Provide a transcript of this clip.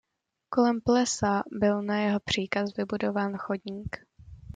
Kolem plesa byl na jeho příkaz vybudován chodník.